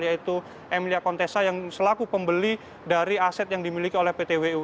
yaitu emilia kontesa yang selaku pembeli dari aset yang dimiliki oleh ptwu